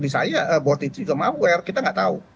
misalnya bot itu juga malware kita nggak tahu